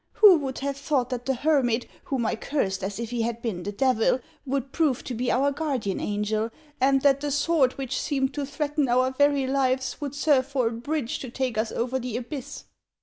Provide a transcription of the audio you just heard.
"Who would have thought that the hermit, whom I cursed as if he had been the Devil, would prove to be our guardian angel, and that the sword which seemed to threaten our very lives would serve for a bridge to take us over the abyss